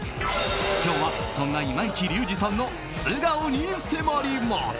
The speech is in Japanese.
今日はそんな今市隆二さんの素顔に迫ります！